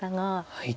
はい。